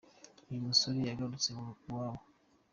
Uyu musore yagarutse mu iwabo